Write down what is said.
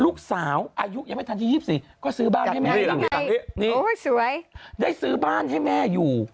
ลูกสาวอายุยังไม่ทันที่๒๔ก็ซื้อบ้านให้แม่นี่สวยได้ซื้อบ้านให้แม่อยู่